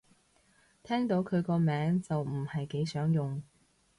聽到佢個名就唔係幾想用